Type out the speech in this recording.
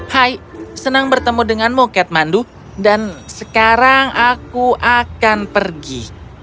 hai senang bertemu denganmu katmandu dan sekarang aku akan pergi